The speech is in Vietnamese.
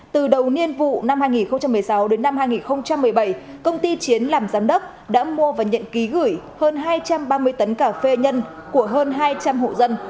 từ đầu niên vụ năm hai nghìn một mươi sáu đến năm hai nghìn một mươi bảy công ty chiến làm giám đốc đã mua và nhận ký gửi hơn hai trăm ba mươi tấn cà phê nhân của hơn hai trăm linh hộ dân